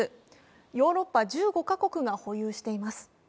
ヨーロッパ１５か国が保有しています。